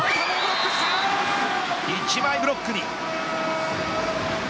１枚ブロックに。